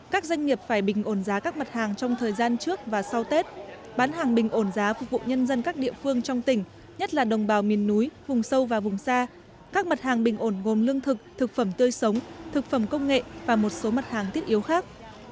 các doanh nghiệp phải bình ổn giá các mặt hàng trong thời gian trước và sau tết bán hàng bình ổn giá phục vụ nhân dân các địa phương trong tỉnh nhất là đồng bào miền núi vùng sâu và vùng xa các mặt hàng bình ổn gồm lương thực thực phẩm tươi sống thực phẩm công nghệ và một số mặt hàng thiết yếu khác